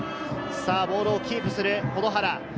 ボールをキープする保土原。